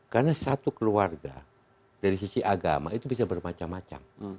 karena satu keluarga dari sisi agama itu bisa bermacam macam